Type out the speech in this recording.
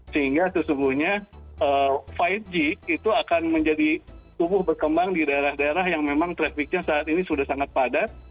sehingga sesungguhnya lima g itu akan menjadi tumbuh berkembang di daerah daerah yang memang trafficnya saat ini sudah sangat padat